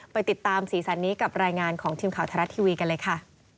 ไปติดตามสีสันนี้กับรายงานของทีมข่าวไทยรัฐทีวีกันเลยค่ะ